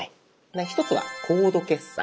一つは「コード決済」。